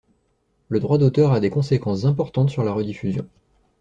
Le droit d’auteur a des conséquences importantes sur la rediffusion.